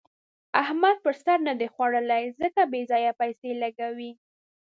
احمد پر سر نه ده خوړلې؛ ځکه بې ځايه پيسې لګوي.